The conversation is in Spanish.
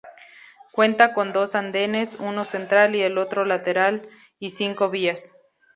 Cuenta con dos andenes, uno central y otro lateral, y cinco vías.